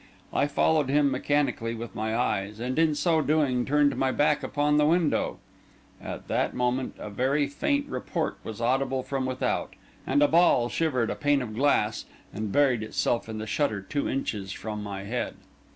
I followed him mechanically with my eyes, and in so doing turned my back upon the window. At that moment a very faint report was audible from without, and a ball shivered a pane of glass, and buried itself in the shutter two inches from my head.